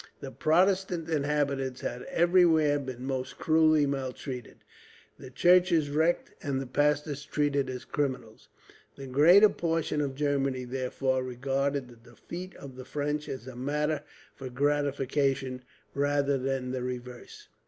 The Protestant inhabitants had everywhere been most cruelly maltreated, the churches wrecked, and the pastors treated as criminals. The greater portion of Germany therefore regarded the defeat of the French as a matter for gratification, rather than the reverse.